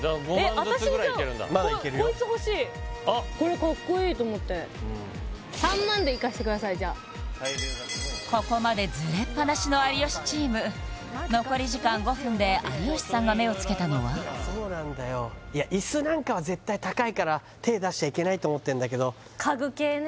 私じゃあこいつ欲しいあっこれかっこいいと思って３万でいかせてくださいじゃあここまでズレっぱなしの有吉チーム残り時間５分で有吉さんが目をつけたのはそうなんだよいやから手出しちゃいけないと思ってんだけど家具系ね